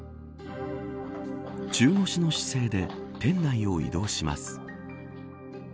中腰の姿勢で店内を移動します。